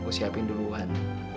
aku siapin duluan